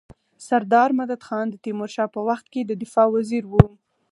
سردار مددخان د تيمورشاه په وخت کي د دفاع وزیر وو.